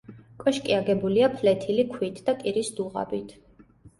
კოშკი აგებულია ფლეთილი ქვით და კირის დუღაბით.